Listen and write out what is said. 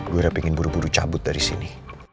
gue udah pengen buru buru cabut dari sini